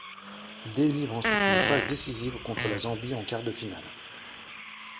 Il délivre ensuite une passe décisive contre la Zambie en quart de finale.